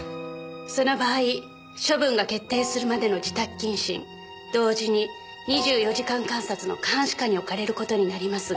その場合処分が決定するまでの自宅謹慎同時に２４時間監察の監視下に置かれる事になりますが。